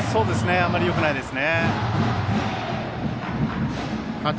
あまりよくないですね。